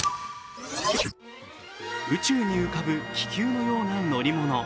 宇宙に浮かぶ気球のような乗り物。